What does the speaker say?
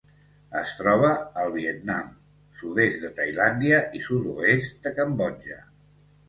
Es troba al Vietnam, sud-est de Tailàndia i sud-oest de Cambodja.